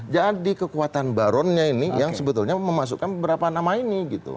jadi kekuatan baronnya ini yang sebetulnya memasukkan beberapa nama ini gitu